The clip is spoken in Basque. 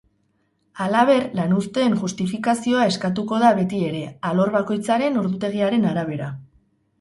Halaber, lanuzteen justifikazioa eskatuko da beti ere, alor bakoitzaren ordutegiaren arabera.